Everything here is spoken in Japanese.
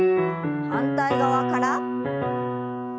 反対側から。